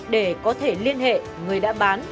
để có thể liên hệ người đã bán